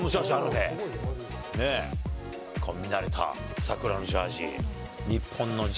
ねぇ、見慣れた桜のジャージ。